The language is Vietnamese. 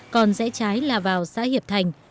còn dễ trái là vào xã hiệp thành